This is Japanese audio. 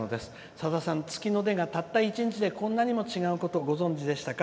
さださん、月の出がたった１日でこんなにも違うことご存じでしたか？